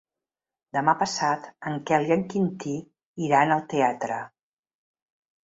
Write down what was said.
Demà passat en Quel i en Quintí iran al teatre.